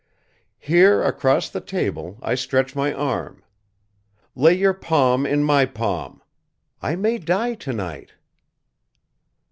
Here across the table I stretch my arm. Lay your palm in my palm. I may die tonight."